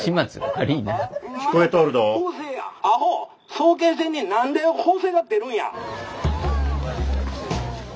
早慶戦に何で法政が出るんや！」。